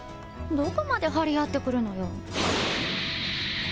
どこまで張り合ってくるのよ。